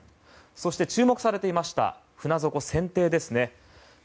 そして、注目されていました船底です。